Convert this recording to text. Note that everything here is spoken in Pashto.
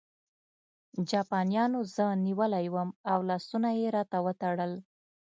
جاپانیانو زه نیولی وم او لاسونه یې راته وتړل